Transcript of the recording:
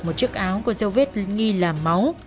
một chiếc áo có dấu vết nghi là máu